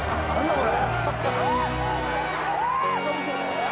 これ。